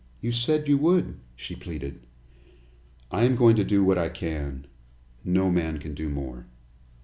You said you would," she pleaded. "I am going to do what I can no man can do more."